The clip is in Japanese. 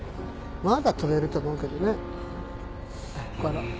まだ跳べると思うけどね。